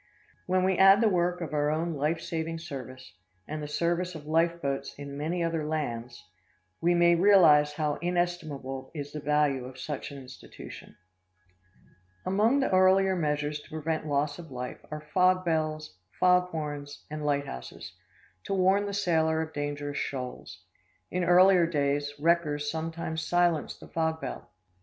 When we add the work of our own life saving service, and the service of life boats in many other lands, we may realize how inestimable is the value of such an institution. [Illustration: THE LIFE BOAT AT WORK.] Among the earlier measures to prevent loss of life are fog bells, fog horns, and lighthouses, to warn the sailor of dangerous shoals. In earlier days, wreckers sometimes silenced the fog bell.